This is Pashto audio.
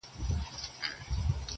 • چا له دم چا له دوا د رنځ شفا سي,